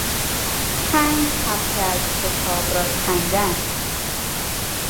چند صفحه از کتاب را کندن